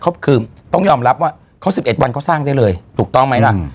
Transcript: เขาคือต้องยอมรับว่าเขา๑๑วันเขาสร้างได้เลยถูกต้องไหมล่ะ